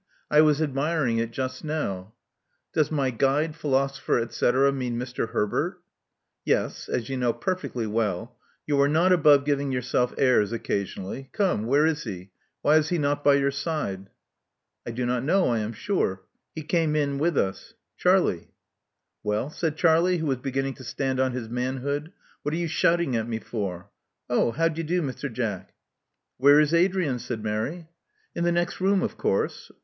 I was admiring it just now." '*Does my guide, philosopher, et cetera, mean Mr. Herbert?" Yes, as you know perfectly well. You are not above giving yourself airs occasionally. Come, where is he? Why is he not by your side?" I do not know, I am sure. He came in with us. Charlie." Well?" said Charlie, who was beginning to stand on his manhood. '*What are you shouting at me for? Oh, how d'ye do, Mr. Jack?" Where is Adrian?" said Mary. In the next room, of course."